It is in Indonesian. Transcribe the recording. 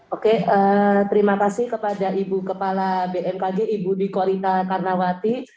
oke terima kasih kepada ibu kepala bmkg ibu dwi korita karnawati